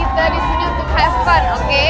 kita disini untuk have fun oke